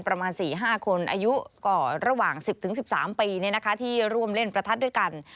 ประมาณ๔๕คนอายุก็ระหว่าง๑๐๑๓ปีที่ร่วมเล่นประทัดด้วยกัน